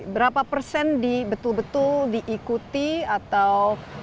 berapa persen betul betul diikuti atau